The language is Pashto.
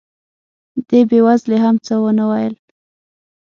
دې بې وزلې هم څه ونه ویل.